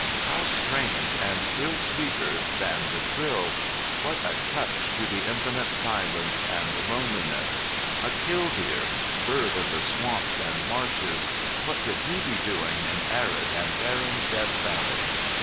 How strange, and still sweeter than the trill! What a touch to the infinite silence and loneliness! A killdeer bird of the swamps and marshes what could he be doing in arid and barren Death Valley?